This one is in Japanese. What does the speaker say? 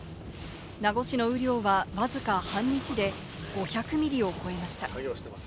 名護市の雨量はわずか半日で５００ミリを超えました。